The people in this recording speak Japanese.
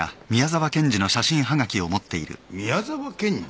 宮沢賢治？